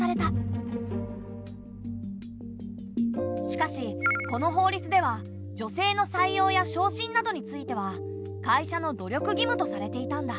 しかしこの法律では女性の採用や昇進などについては会社の努力義務とされていたんだ。